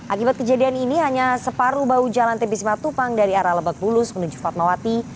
akibat kejadian ini hanya separuh bau jalan tbs matupang dari arah lebakbulus menuju fatmawati